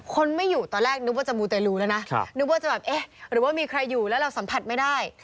คนไม่อยู่ตอนแรกนึกว่าจะมูเตรลูแล้วนะนึกว่าจะแบบเอ๊ะหรือว่ามีใครอยู่แล้วเราสัมผัสไม่ได้